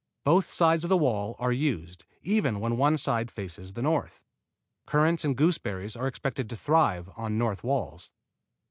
Both sides of the walls are used, even when one side faces the north. Currants and gooseberries are expected to thrive on north walls.